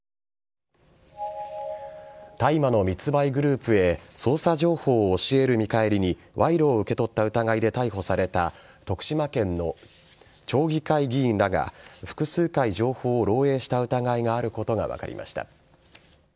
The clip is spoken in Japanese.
大麻の密売グループへ捜査情報を教える見返りに賄賂を受け取った疑いで逮捕された徳島県の町議会議員らが複数回情報を漏えいした疑いがあることが分かりました。